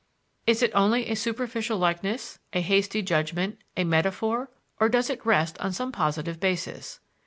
Is it only a superficial likeness, a hasty judgment, a metaphor, or does it rest on some positive basis?